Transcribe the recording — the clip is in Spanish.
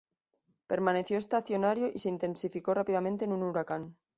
Permaneció estacionario y se intensificó rápidamente en un huracán.